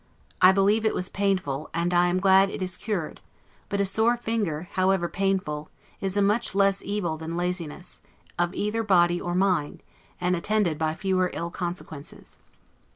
I believe it was painful, and I am glad it is cured; but a sore finger, however painful, is a much less evil than laziness, of either body or mind, and attended by fewer ill consequences.